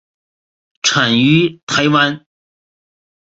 产于台湾。